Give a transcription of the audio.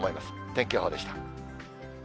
天気予報でした。